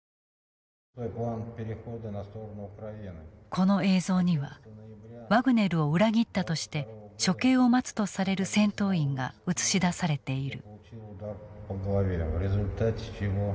この映像にはワグネルを裏切ったとして処刑を待つとされる戦闘員が映し出されている。